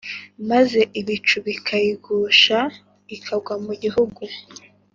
Maze ibicu bikayigusha Ikagwa mu gihugu